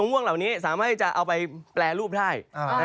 ม่วงเหล่านี้สามารถที่จะเอาไปแปรรูปได้